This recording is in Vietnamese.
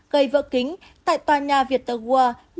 gây vỡ kính tại tòa nhà viettel world